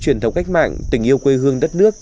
truyền thống cách mạng tình yêu quê hương đất nước